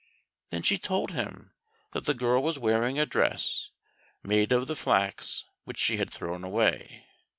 Then she told him that the girl was wearing a dress make of the flax which she had thrown away.